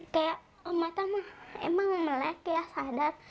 kayak emang melek ya sadar